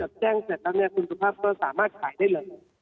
แจ้งเสร็จแล้วเนี่ยคุณสุภาพก็สามารถขายได้เลย